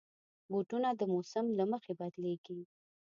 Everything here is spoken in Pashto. بوټونه د موسم له مخې بدلېږي.